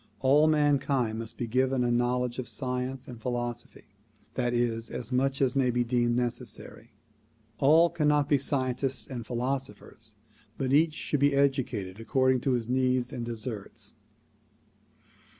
All man kind must be given a knowledge of science and philosophy; that is, as much as may be deemed necessary. All cannot be scientists DISCOURSE DELIVERED IN PITTSBURGH 105 and philosophers but each shoukl be educated according to his needs and deserts.